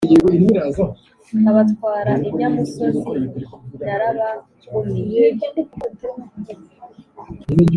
Abatwara inyamusozi narabagumiye.